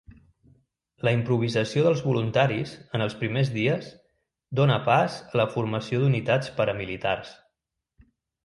La improvisació dels voluntaris en els primers dies dóna pas a la formació d'unitats paramilitars.